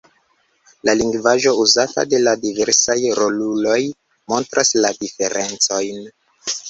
La lingvaĵo uzata de la diversaj roluloj montras la diferencojn.